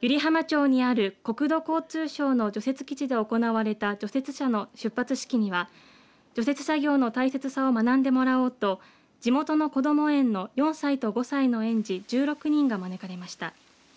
湯梨浜町にある国土交通省の除雪基地で行われた除雪車の出発式には除雪作業の大切さを学んでもらおうと地元のこども園の４歳と５歳の園児１６人が招かれました。